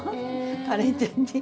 カレンちゃんに。